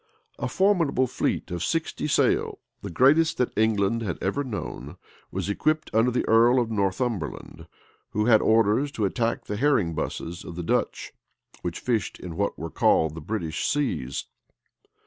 A formidable fleet of sixty sail, the greatest that England had ever known, was equipped under the earl of Northumberland, who had orders to attack the herring busses of the Dutch, which fished in what were called the British seas.